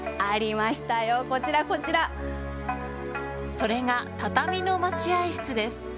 それが、畳の待合室です。